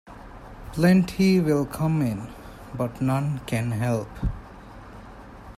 Plenty will come in, but none can help.